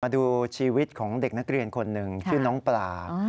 ดูชีวิตของเด็กนักเรียนคนหนึ่งชื่อน้องปลา